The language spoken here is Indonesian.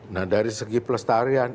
nah dari segi pelestarian